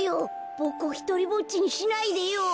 ボクをひとりぼっちにしないでよ。